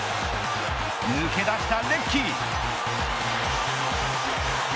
抜け出したレッキー。